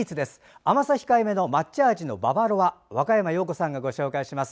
甘さ控えめの抹茶味のババロア若山曜子さんがご紹介します。